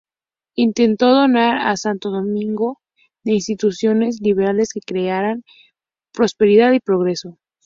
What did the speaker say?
Intentó dotar a Santo Domingo de instituciones liberales que crearan prosperidad y progreso.